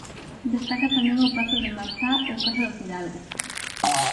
Destaca tamén o Pazo de Marzá ou "Casa do Fidalgo".